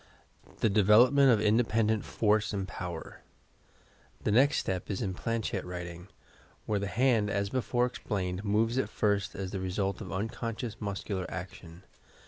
THE DEVELOPMENT OP INDEPENDENT FORCE AND POWER The next step is in Planchette writing, where the hand, as before explained, moves at first as the result of unconscious muscular action.